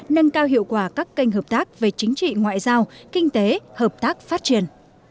nâng cao hiệu quả các kênh hợp tác về chính trị ngoại giao kinh tế hợp tác phát triển